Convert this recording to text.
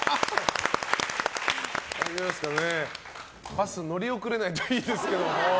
バス乗り遅れないといいですけどね。